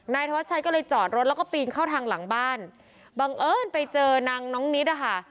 นายธวัชชัยก็เลยจอดรถแล้วก็ปีนเข้าทางหลังบ้านบังเอิญไปเจอนางน้องนิดนะคะ